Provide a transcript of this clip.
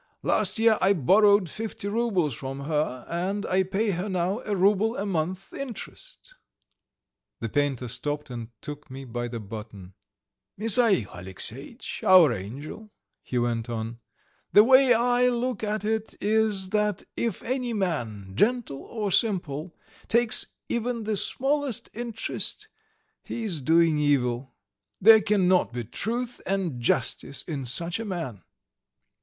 Last year I borrowed fifty roubles from her, and I pay her now a rouble a month interest." The painter stopped and took me by the button. "Misail Alexeyitch, our angel," he went on. "The way I look at it is that if any man, gentle or simple, takes even the smallest interest, he is doing evil. There cannot be truth and justice in such a man."